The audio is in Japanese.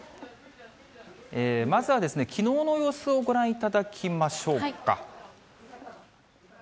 まずはですね、きのうの様子をご覧いただきましょうか。